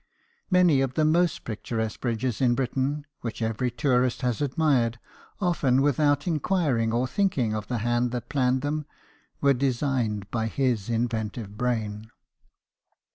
Many of the most picturesque bridges in Britain, which every tourist has admired, often without inquiring or thinking of the hand that planned them, were designed by his inventive brain.